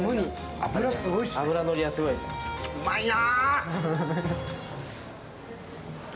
脂、うまいな。